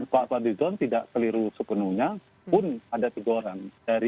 pak fadly lizon tidak keliru sepenuhnya pun ada tiga orang